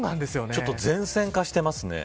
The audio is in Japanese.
ちょっと前線化してますね。